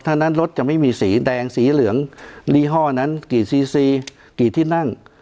ถ้านั้นรถจะไม่มีสีแดงสีเหลืองยี่ห้อนั้นกี่ซีซีกี่ที่นั่ง